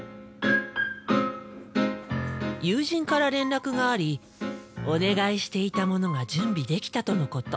友人から連絡がありお願いしていたものが準備できたとのこと。